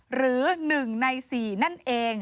หรือ๑ใน๔นั่นเอง